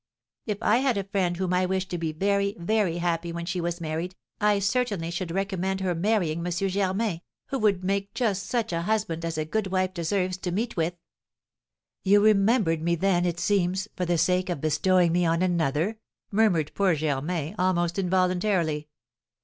If I had a friend whom I wished to be very, very happy when she was married, I certainly should recommend her marrying M. Germain, who would make just such a husband as a good wife deserves to meet with.'" "You remembered me then, it seems, for the sake of bestowing me on another," murmured poor Germain, almost involuntarily.